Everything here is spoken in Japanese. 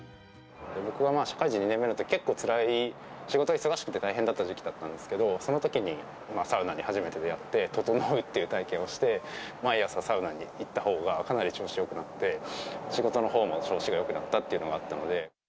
僕は社会人２年目のとき、結構つらい、仕事忙しくて大変だった時期だったんですけど、そのときに、サウナに初めて出会って、ととのうという体験をして、毎朝サウナに行ったほうが、かなり調子よくなって、仕事のほうも調子がよくなったというのがあったので。